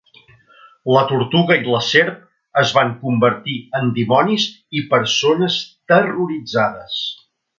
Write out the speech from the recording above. La tortuga i la serp es van convertir en dimonis i persones terroritzades.